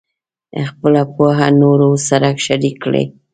خپله پوهه نورو سره شریکه کړئ.